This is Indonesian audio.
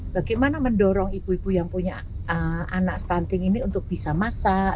bagaimana mendorong ibu ibu yang punya anak stunting ini untuk bisa masak